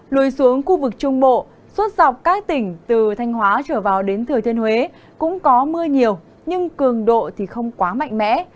lùi xuống khu vực trung bộ suốt dọc các tỉnh từ thanh hóa trở vào đến thừa thiên huế cũng có mưa nhiều nhưng cường độ thì không quá mạnh mẽ